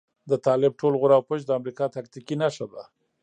د طالب ټول غور او پش د امريکا تاکتيکي نښه ده.